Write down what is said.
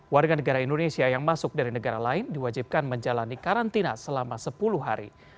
warga negara indonesia yang masuk dari negara lain diwajibkan menjalani karantina selama sepuluh hari